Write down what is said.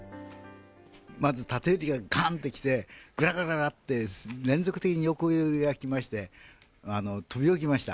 まず、縦揺れががんときて、ぐらぐらぐらって、連続的に横揺れが来まして、飛び起きました。